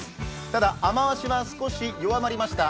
ただ、雨足は少し弱まりました。